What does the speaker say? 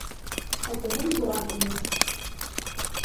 Ә төнөн буран ине.